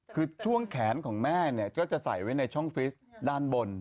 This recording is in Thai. คือช่วงแขนของแม่เนี่ยก็จะใส่ไว้ในช่องฟิสด้านบน